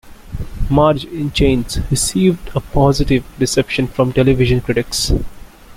"Marge in Chains" received a positive reception from television critics.